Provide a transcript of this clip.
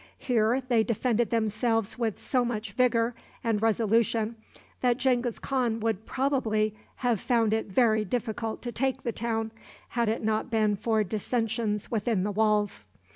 Here they defended themselves with so much vigor and resolution that Genghis Khan would probably have found it very difficult to take the town had it not been for dissensions within the walls.